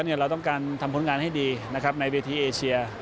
เราต้องการทำผลงานให้ดีในเวทีเอเชีย